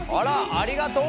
ありがとう！